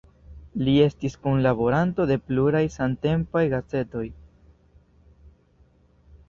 Li estis kunlaboranto de pluraj samtempaj gazetoj.